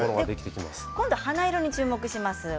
今度は花色に注目です。